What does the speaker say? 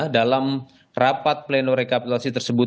dalam rapat pleno rekapitulasi tersebut